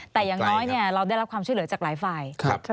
แต่อย่างน้อยเราได้รับความช่วยเหลือจากหลายฝ่าย